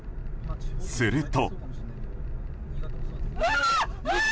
すると。